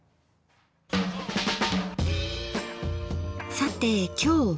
さて今日は？